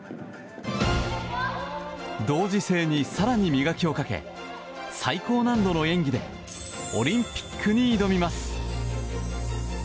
同時性に更に磨きをかけ最高難度の演技でオリンピックに挑みます。